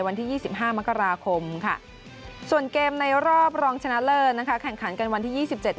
วันที่๒๕มกราคมค่ะส่วนเกมในรอบรองชนะเลิศนะคะแข่งขันกันวันที่๒๗